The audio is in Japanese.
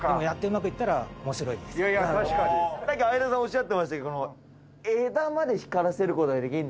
さっき相田さんおっしゃってましたけどこの。